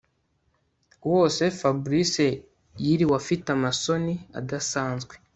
wose Fabric yiriwe afite amasoni adasanzwe